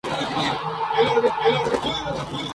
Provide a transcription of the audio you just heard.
Esas tres partes son tres puntos de vista del mismo fenómeno.